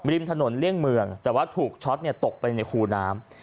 ริมถนนเลี่ยงเมืองแต่ว่าถูกช็อตตกไปในคูน้ำ